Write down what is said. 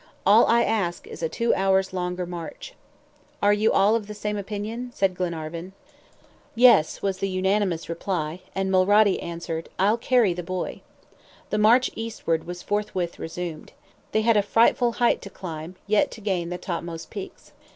All I ask is a two hours' longer march." "Are you all of the same opinion?" said Glenarvan. "Yes," was the unanimous reply: and Mulrady added, "I'll carry the boy." The march eastward was forthwith resumed. They had a frightful height to climb yet to gain the topmost peaks.